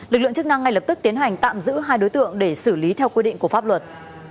lực lượng chức năng ngay lập tức tiến hành tạm giữ hai đối tượng để xử lý theo quy định của pháp luật